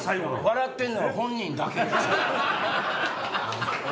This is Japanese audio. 笑ってんのは本人だけ。